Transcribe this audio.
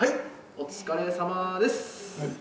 お疲れさまです。